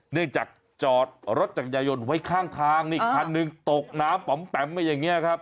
เนื่องจากจอดรถจักรยายนไว้ข้างนี่อีกคันนึงตกน้ำปำปำไปอย่างเงี้ยครับ